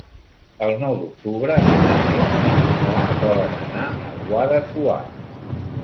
El nou d'octubre na Nàdia i na Noa volen anar a Guadassuar.